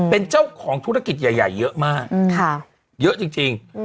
เป็นเจ้าของธุรกิจใหญ่เยอะมากเยอะจริง